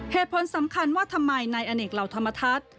เหตุผลสำคัญว่าทำไมนายอเนกเหล่าธรรมทัศน์